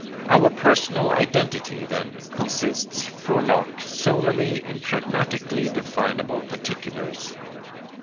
Our personal identity, then, consists, for Locke, solely in pragmatically definable particulars.